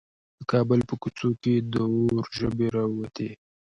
د کابل په کوڅو کې د اور ژبې راووتې.